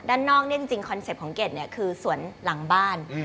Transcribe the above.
ด้านนอกเนี่ยจริงคอนเซ็ปต์ของเกดเนี่ยคือสวนหลังบ้าน